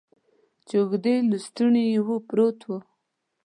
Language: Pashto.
چې اوږدې لستوڼي یې وې، پروت و.